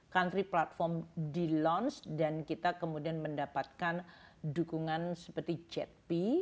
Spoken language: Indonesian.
country platform di launch dan kita kemudian mendapatkan dukungan seperti jet p